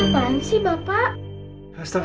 kalau racap racap krimg qualcosa lagi aja